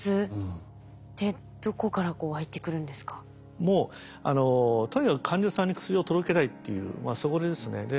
もうとにかく患者さんに薬を届けたいっていうそこですね。